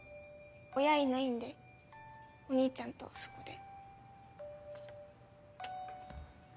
親いないんでお兄ちゃんとそこで。